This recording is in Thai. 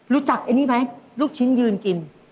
รู้จักไอ้นี่ไหมลูกชิ้นยืนกิน